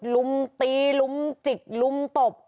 ลุมตีลุมจิกลุมตบ